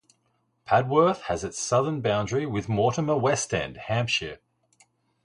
Padworth has its southern boundary with Mortimer West End, Hampshire.